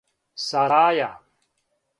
сараја